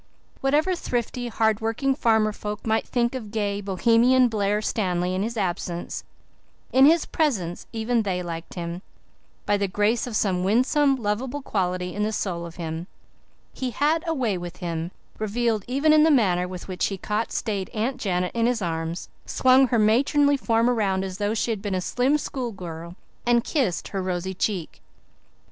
Whatever thrifty, hard working farmer folk might think of gay, Bohemian Blair Stanley in his absence, in his presence even they liked him, by the grace of some winsome, lovable quality in the soul of him. He had "a way with him" revealed even in the manner with which he caught staid Aunt Janet in his arms, swung her matronly form around as though she had been a slim schoolgirl, and kissed her rosy cheek.